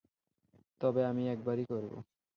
তবে, আমি একবারই করব।